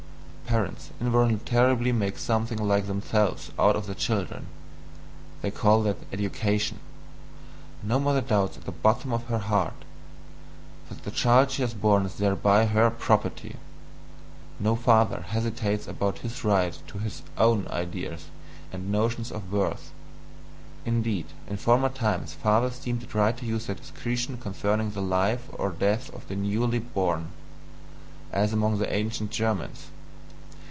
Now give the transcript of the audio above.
Parents involuntarily make something like themselves out of their children they call that "education"; no mother doubts at the bottom of her heart that the child she has borne is thereby her property, no father hesitates about his right to HIS OWN ideas and notions of worth. Indeed, in former times fathers deemed it right to use their discretion concerning the life or death of the newly born (as among the ancient Germans).